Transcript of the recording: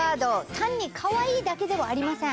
単にかわいいだけではありません。